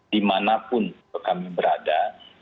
di manapun kami berada